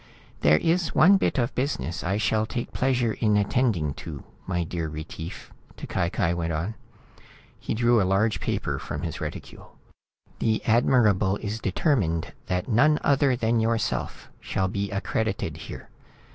"There is one bit of business I shall take pleasure in attending to, my dear Retief," T'Cai Cai went on. He drew a large paper from his reticule. "The Admirable is determined than none other than yourself shall be accredited here.